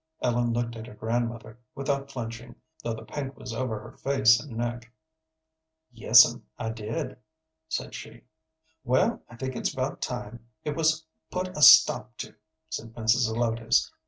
Ellen looked at her grandmother without flinching, though the pink was over her face and neck. "Yes'm, I did," said she. "Well, I think it's about time it was put a stop to," said Mrs. Zelotes.